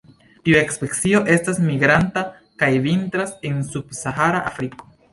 Tiu specio estas migranta, kaj vintras en subsahara Afriko.